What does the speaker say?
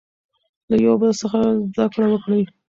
له یو بل څخه زده کړه وکړئ.